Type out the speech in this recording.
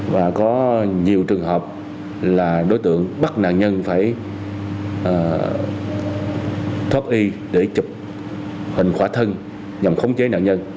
và có nhiều trường hợp là đối tượng bắt nạn nhân phải thoát y để chụp hình khỏa thân nhằm khống chế nạn nhân